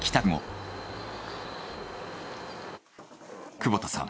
久保田さん